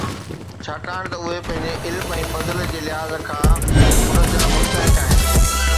ڇاڪاڻ ته اهي پنهنجي علم ۽ فضل جي لحاظ کان ان جا مستحق آهن.